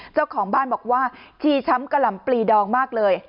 เจ้าของบ้านบอกว่าชีช้ำกะหล่ำปลีดองมากเลย